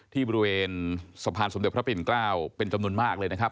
ที่บริเวณสะพานสมเด็จพระปิ่นเกล้าเป็นจำนวนมากเลยนะครับ